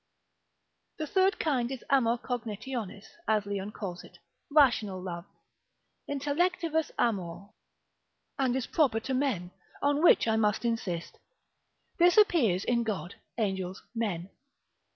The third kind is Amor cognitionis, as Leon calls it, rational love, Intellectivus amor, and is proper to men, on which I must insist. This appears in God, angels, men.